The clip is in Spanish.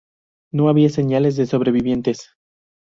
No había señales de sobrevivientes.